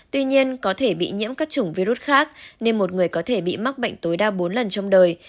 tuy nhiên có thể bị nhiễm các chủng virus khác nên một người có thể bị mắc bệnh tối đa bốn lần trong đời